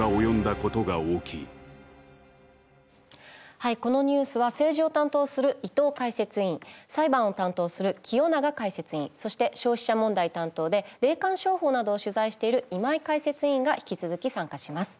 はいこのニュースは政治を担当する伊藤解説委員裁判を担当する清永解説委員そして消費者問題担当で霊感商法などを取材している今井解説委員が引き続き参加します。